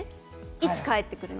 いつ帰ってくるの？